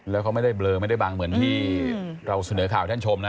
แล้วเขาไม่ได้เบลอไม่ได้บังเหมือนที่เราเสนอข่าวให้ท่านชมนะ